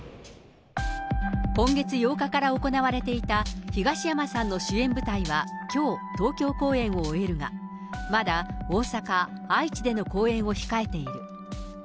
今月８日から行われていた東山さんの主演舞台はきょう、東京公演を終えるが、まだ大阪、愛知での公演を控えている。